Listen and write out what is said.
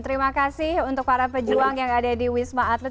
terima kasih untuk para pejuang yang ada di wisma atlet